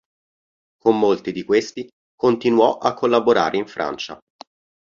Con molti di questi continuò a collaborare in Francia.